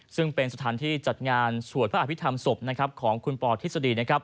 ซึ่งเป็นสถานที่จัดงานสวดภาพิธรรมสมมุติของคุณปธิสดี